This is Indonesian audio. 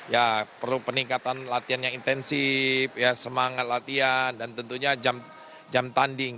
ya perlu peningkatan latihan yang intensif semangat latihan dan tentunya jam tanding